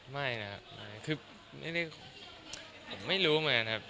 ไม่นะครับคือผมไม่รู้เหมือนกันครับ